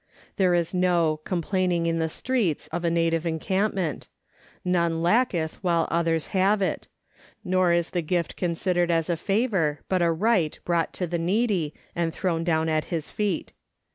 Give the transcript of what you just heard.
There is " no complaining in the streets" of a native encampment ; none lacketh while others have it ; nor is the gift considered as a favour, but a right brought to the needy, and thrown down at his feet.